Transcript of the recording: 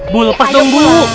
bu lepas dong bu